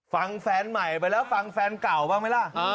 ฟังแฟนใหม่ไปแล้วฟังแฟนเก่าบ้างไหมล่ะ